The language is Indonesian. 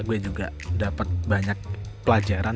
gue juga dapat banyak pelajaran